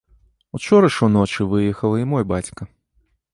Учора ж уночы выехаў і мой бацька.